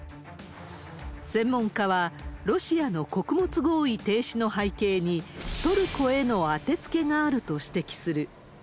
専門家は、ロシアの穀物合意停止の背景に、トルコへの当てつけがあると指摘